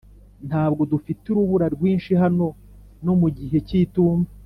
ntabwo dufite urubura rwinshi hano no mu gihe cy'itumba.